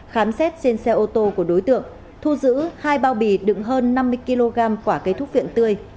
khám xét trên xe ô tô của đối tượng thu giữ hai bao bì đựng hơn năm mươi kg quả cây thuốc viện tươi